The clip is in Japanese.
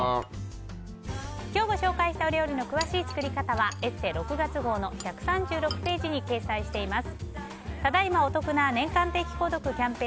今日ご紹介したお料理の詳しい作り方は「ＥＳＳＥ」６月号の１３６ページに掲載しています。